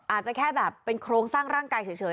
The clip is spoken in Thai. อาจจะแค่แบบเป็นโครงสร้างร่างกายเฉย